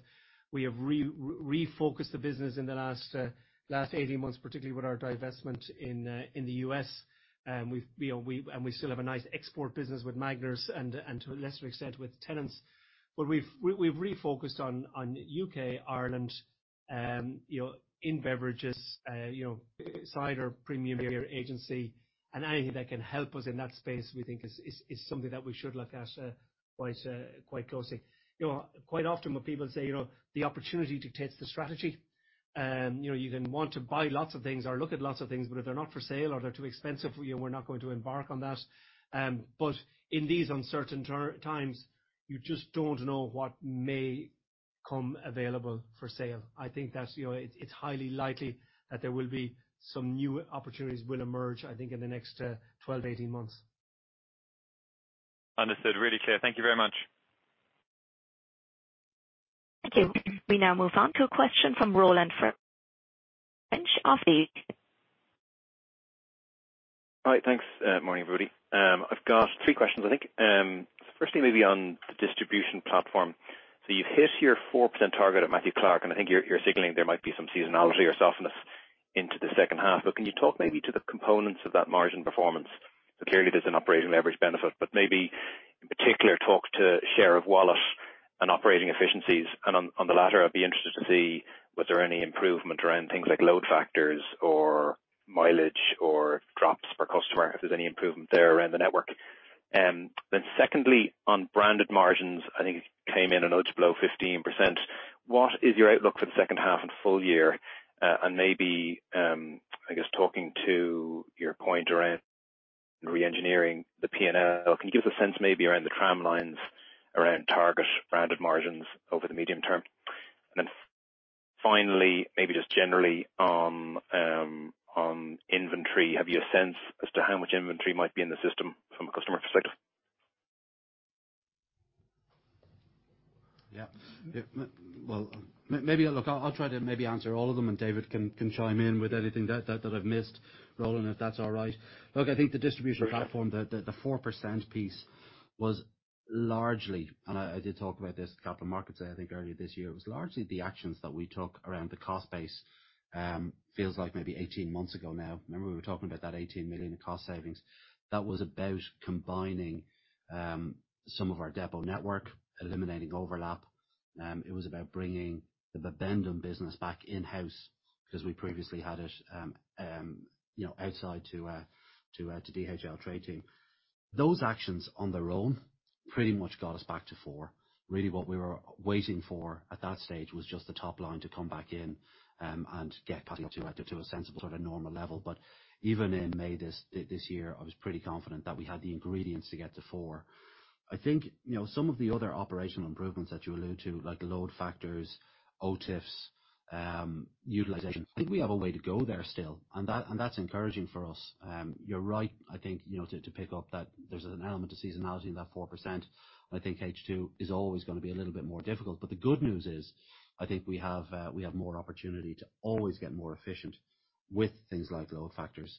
A: we have refocused the business in the last 18 months, particularly with our divestment in the U.S. We've, you know, and we still have a nice export business with Magners and to a lesser extent with Tennent's. But we've refocused on U.K., Ireland, you know, in beverages, you know, cider, premium beer agency, and anything that can help us in that space, we think is something that we should look at quite closely. You know, quite often when people say, you know, the opportunity dictates the strategy, you know, you can want to buy lots of things or look at lots of things, but if they're not for sale or they're too expensive, you know, we're not going to embark on that. In these uncertain times, you just don't know what may come available for sale. I think that's, you know, it's highly likely that there will be some new opportunities will emerge, I think, in the next 12-18 months.
E: Understood. Really clear. Thank you very much.
C: Thank you. We now move on to a question from Roland French of the.
F: All right. Thanks. Morning, everybody. I've got three questions, I think. Firstly, maybe on the distribution platform. You've hit your 4% target at Matthew Clark, and I think you're signaling there might be some seasonality or softness into the second half. Can you talk maybe to the components of that margin performance? Clearly, there's an operational leverage benefit, but maybe in particular, talk to share of wallet and operating efficiencies. On the latter, I'd be interested to see was there any improvement around things like load factors or mileage or drops per customer, if there's any improvement there around the network. Secondly, on branded margins, I think it came in a notch below 15%. What is your outlook for the second half and full year? Maybe, I guess talking to your point around reengineering the P&L, can you give us a sense maybe around the tramlines around target branded margins over the medium term? Then finally, maybe just generally on inventory, have you a sense as to how much inventory might be in the system from a customer perspective?
B: Well, maybe look, I'll try to maybe answer all of them, and David can chime in with anything that I've missed, Roland, if that's all right. Look, I think the distribution platform, the four percent piece was largely and I did talk about this at capital markets, I think earlier this year. It was largely the actions that we took around the cost base, feels like maybe 18 months ago now. Remember, we were talking about that 18 million cost savings. That was about combining some of our depot network, eliminating overlap. It was about bringing the Bibendum business back in-house because we previously had it, you know, outsourced to DHL. Those actions on their own pretty much got us back to 4%. Really what we were waiting for at that stage was just the top line to come back in, and get back up to a sensible sort of normal level. Even in May this year, I was pretty confident that we had the ingredients to get to four. I think, you know, some of the other operational improvements that you allude to, like load factors, OTIFs, utilization, I think we have a way to go there still, and that's encouraging for us. You're right, I think, you know, to pick up that there's an element of seasonality in that 4%. I think H2 is always gonna be a little bit more difficult. The good news is, I think we have more opportunity to always get more efficient with things like load factors,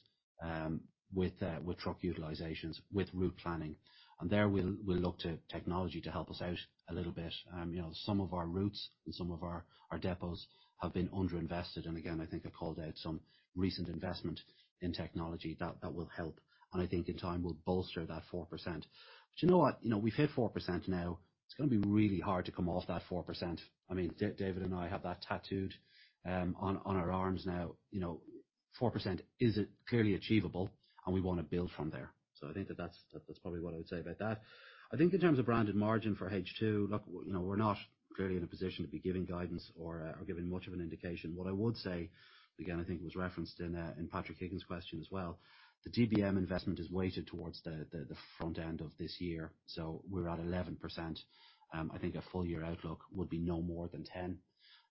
B: with truck utilizations, with route planning. There we'll look to technology to help us out a little bit. You know, some of our routes and some of our depots have been underinvested. Again, I think I called out some recent investment in technology that will help and I think in time will bolster that 4%. You know what? You know, we've hit 4% now. It's gonna be really hard to come off that 4%. I mean, David and I have that tattooed on our arms now. You know, 4% is clearly achievable and we wanna build from there. I think that's probably what I would say about that. I think in terms of branded margin for H2, you know, we're not clearly in a position to be giving guidance or giving much of an indication. What I would say, again, I think it was referenced in Patrick Higgins' question as well, the DBM investment is weighted towards the front end of this year. We're at 11%. I think a full year outlook would be no more than 10%.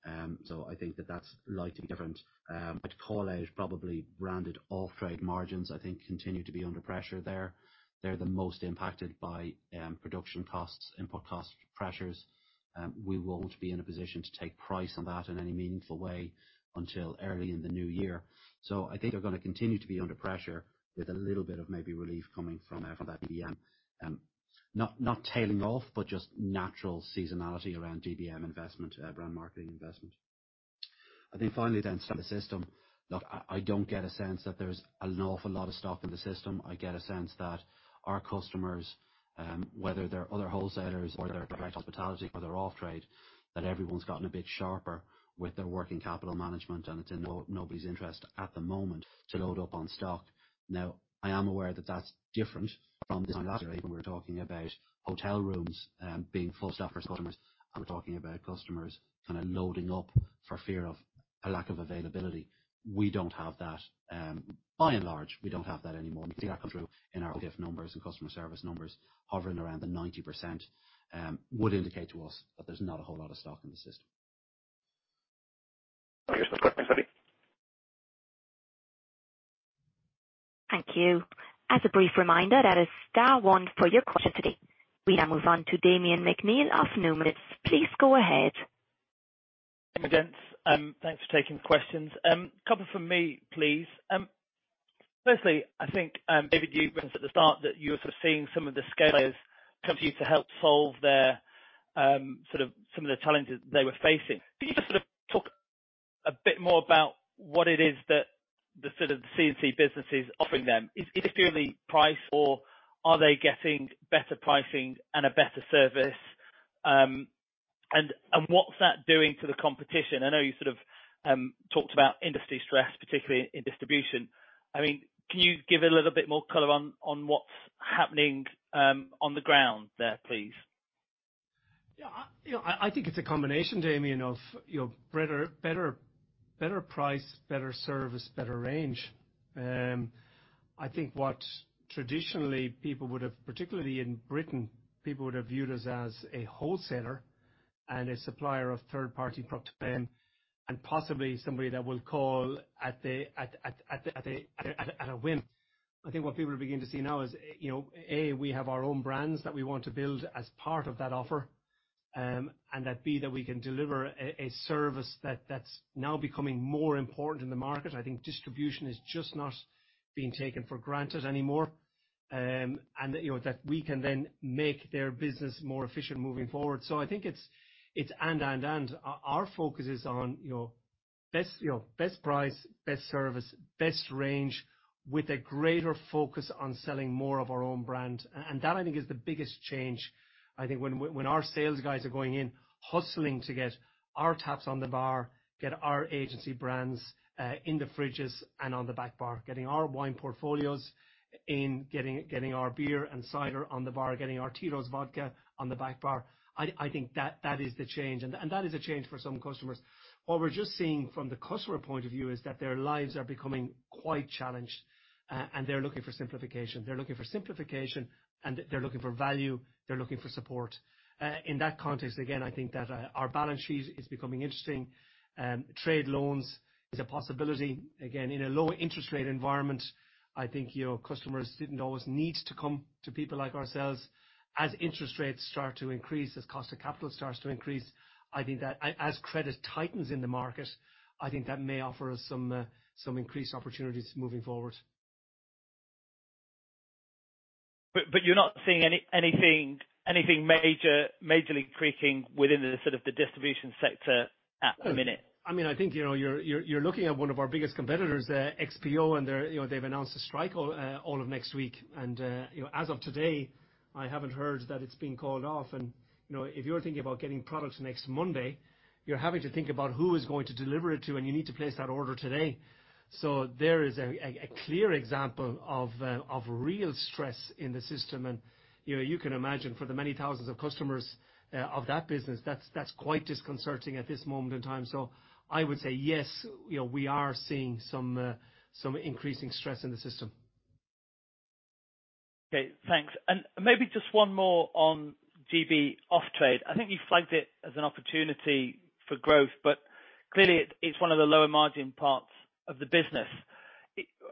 B: I think that's likely different. I'd call out probably branded off-trade margins, I think continue to be under pressure there. They're the most impacted by production costs, input cost pressures. We won't be in a position to take price on that in any meaningful way until early in the new year. I think they're gonna continue to be under pressure with a little bit of maybe relief coming from that DBM. Not tailing off, but just natural seasonality around DBM investment, brand marketing investment.
A: I think finally then.
C: Thank you. As a brief reminder, that is star one for your question today. We now move on to Damian McNeela of Numis. Please go ahead.
G: Hey, gents. Thanks for taking the questions. A couple from me, please. Firstly, I think maybe you mentioned at the start that you were sort of seeing some of the smaller come to you to help solve their sort of some of the challenges they were facing. Can you just sort of talk a bit more about what it is that the sort of C&C business is offering them? Is it purely price or are they getting better pricing and a better service? And what's that doing to the competition? I know you sort of talked about industry stress, particularly in distribution. I mean, can you give a little bit more color on what's happening on the ground there, please?
A: Yeah. You know, I think it's a combination, Damian, of, you know, better price, better service, better range. I think, particularly in Britain, people would have viewed us as a wholesaler and a supplier of third-party and possibly somebody that will call at a whim. I think what people are beginning to see now is, you know, A, we have our own brands that we want to build as part of that offer, and B, we can deliver a service that's now becoming more important in the market. I think distribution is just not being taken for granted anymore, and you know, we can then make their business more efficient moving forward. I think it's. Our focus is on, you know, best, you know, best price, best service, best range with a greater focus on selling more of our own brand. That I think is the biggest change. I think when our sales guys are going in, hustling to get our taps on the bar, get our agency brands in the fridges and on the back bar, getting our wine portfolios in, getting our beer and cider on the bar, getting our Tito's Vodka on the back bar, I think that is the change. That is a change for some customers. What we're just seeing from the customer point of view is that their lives are becoming quite challenged, and they're looking for simplification. They're looking for simplification, and they're looking for value. They're looking for support. In that context, again, I think that our balance sheet is becoming interesting. Trade loans is a possibility. Again, in a low interest rate environment, I think, you know, customers didn't always need to come to people like ourselves. As interest rates start to increase, as cost of capital starts to increase, I think that as credit tightens in the market, I think that may offer us some increased opportunities moving forward.
G: You're not seeing anything majorly creaking within the sort of distribution sector at the minute?
A: I mean, I think, you know, you're looking at one of our biggest competitors, XPO, and they, you know, they've announced a strike all of next week. You know, as of today, I haven't heard that it's been called off. You know, if you're thinking about getting products next Monday, you're having to think about who is going to deliver it to, and you need to place that order today. There is a clear example of real stress in the system. You know, you can imagine for the many thousands of customers of that business, that's quite disconcerting at this moment in time. I would say yes, you know, we are seeing some increasing stress in the system.
G: Okay, thanks. Maybe just one more on GB off-trade. I think you flagged it as an opportunity for growth, but clearly it's one of the lower margin parts of the business.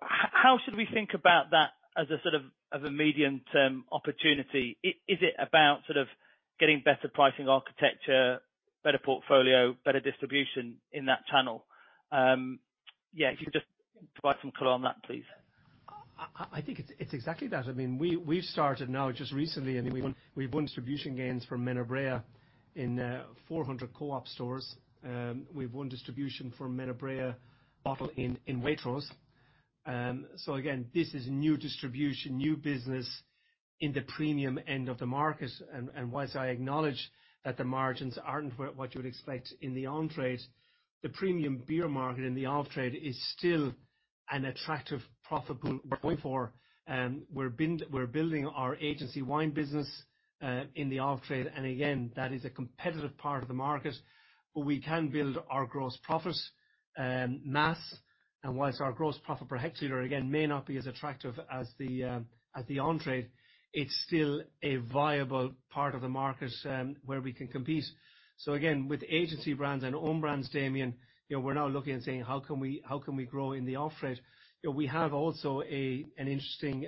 G: How should we think about that as a sort of, as a medium-term opportunity? Is it about sort of getting better pricing architecture, better portfolio, better distribution in that channel? Yeah, if you could just provide some color on that, please.
A: I think it's exactly that. I mean, we've started now just recently. I mean, we've won distribution gains from Menabrea in 400 Co-op stores. We've won distribution for Menabrea bottle in Waitrose. So again, this is new distribution, new business in the premium end of the market. While I acknowledge that the margins aren't what you would expect in the on-trade, the premium beer market in the off-trade is still an attractive profitable point for. We're building our agency wine business in the off-trade, and again, that is a competitive part of the market. We can build our gross profit mass and whilst our gross profit per hectoliter again may not be as attractive as the as the on-trade, it's still a viable part of the market where we can compete. Again, with agency brands and own brands, Damian, you know, we're now looking and saying, "How can we grow in the off-trade?" You know, we have also an interesting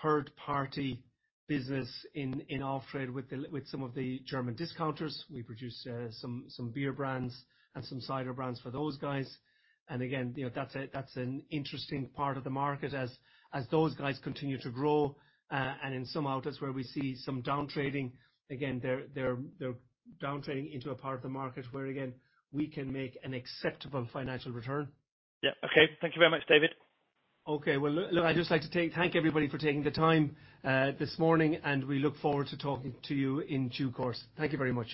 A: third party business in off-trade with some of the German discounters. We produce some beer brands and some cider brands for those guys. Again, you know, that's an interesting part of the market as those guys continue to grow. In some outlets where we see some down trading, again, they're down trading into a part of the market where again, we can make an acceptable financial return.
G: Yeah. Okay. Thank you very much, David.
A: Okay. Well, look, I'd just like to thank everybody for taking the time this morning, and we look forward to talking to you in due course. Thank you very much.